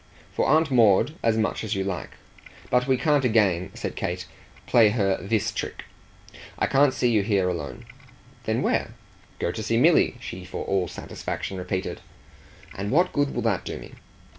"For Aunt Maud as much as you like. But we can't again," said Kate, "play her THIS trick. I can't see you here alone." "Then where?" "Go to see Milly," she for all satisfaction repeated. "And what good will that do me?"